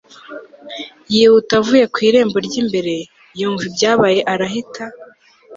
yihuta avuye ku irembo ry'imbere, yumva ibyabaye arahita